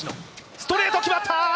ストレート、決まった。